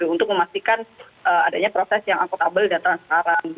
untuk memastikan adanya proses yang akutabel dan transparan